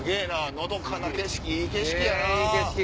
のどかな景色いい景色やな。